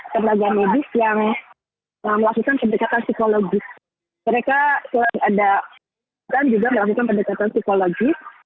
tenaga medis yang melakukan pendekatan psikologis mereka selain ada juga melakukan pendekatan psikologis